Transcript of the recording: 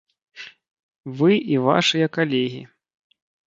Вы і вашыя калегі.